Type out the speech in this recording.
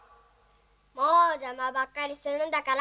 もうじゃまばっかりするんだから！